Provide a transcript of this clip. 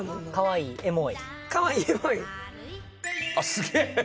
すげえ！